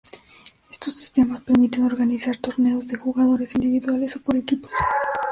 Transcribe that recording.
Estos sistemas permiten organizar torneos de jugadores individuales o por equipos.